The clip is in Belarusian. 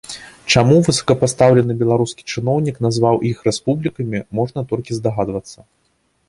Чаму высокапастаўлены беларускі чыноўнік назваў іх рэспублікамі, можна толькі здагадвацца.